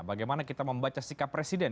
bagaimana kita membaca sikap presiden